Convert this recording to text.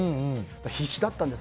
必死だったんです。